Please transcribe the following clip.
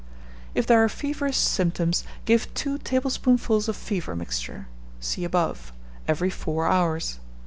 If there are feverish symptoms, give two tablespoonfuls of fever mixture (see above) every four hours.